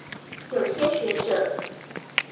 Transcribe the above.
有些學者